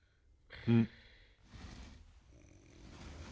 うん。